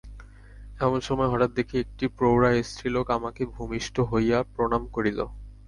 এমন সময় হঠাৎ দেখি, একটি প্রৌঢ়া স্ত্রীলোক আমাকে ভূমিষ্ঠ হইয়া প্রণাম করিল।